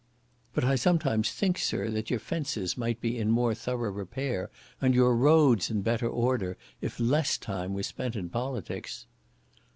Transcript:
"But I sometimes think, sir, that your fences might be in more thorough repair, and your roads in better order, if less time was spent in politics."